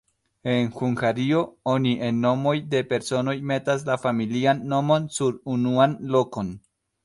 En Hungario, oni en nomoj de personoj metas la familian nomon sur unuan lokon.